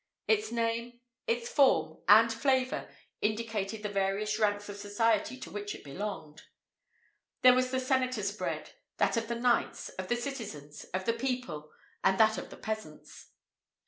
Its name, its form, and flavour indicated the various ranks of society to which it belonged.[IV 59] There was the senator's bread, that of the knights, of the citizens, of the people, and that of the peasants.